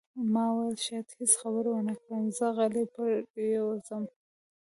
ما وویل: شاید هیڅ خبرې ونه کړم، زه غلی پرېوځم.